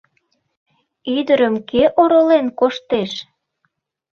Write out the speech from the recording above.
Ӱдырым кӧ оролен коштеш?